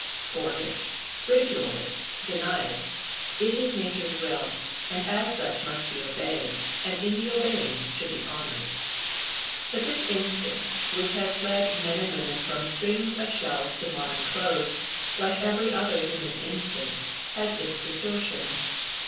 Scorn it, ridicule it, deny it, it is nature's will, and as such must be obeyed, and in the obeying should be honored. But this instinct, which has led men and women from strings of shells to modern clothes, like every other human instinct, has its distortions.